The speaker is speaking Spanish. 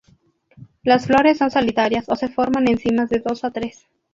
Las flores son solitarias o se forman en cimas de dos a tres.